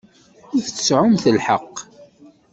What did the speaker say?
Ur tseɛɛumt lḥeqq.